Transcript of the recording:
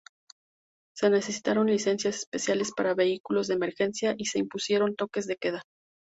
Se necesitaron licencias especiales para vehículos de emergencia y se impusieron toques de queda.